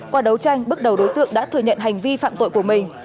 qua đấu tranh bước đầu đối tượng đã thừa nhận hành vi phạm tội của mình